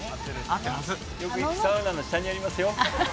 よく行くサウナの下にありますよ。